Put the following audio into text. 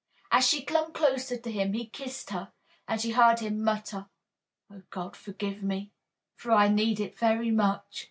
As she clung closer to him he kissed her, and she heard him mutter, "Oh, God forgive me, for I need it very much!"